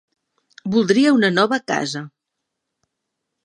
Voldria una nova casa.